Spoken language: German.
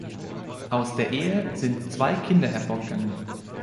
Aus der Ehe sind zwei Kinder hervorgegangen.